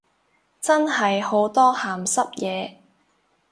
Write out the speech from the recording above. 真係好多鹹濕嘢